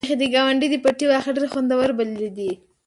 میښې د ګاونډي د پټي واښه ډېر خوندور بللي دي.